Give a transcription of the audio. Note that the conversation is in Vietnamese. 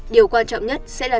điều quan trọng nhất sẽ là